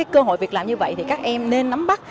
cơ hội việc làm như vậy thì các em nên nắm bắt